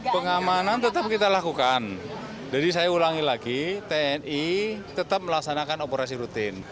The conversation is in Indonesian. pengamanan tetap kita lakukan jadi saya ulangi lagi tni tetap melaksanakan operasi rutin